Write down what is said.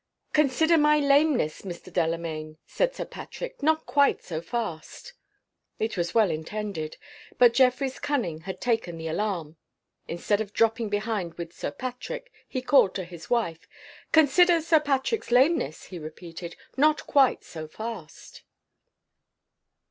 "Consider my lameness, Mr. Delamayn," said Sir Patrick. "Not quite so fast." It was well intended. But Geoffrey's cunning had taken the alarm. Instead of dropping behind with Sir Patrick, he called to his wife. "Consider Sir Patrick's lameness," he repeated. "Not quite so fast."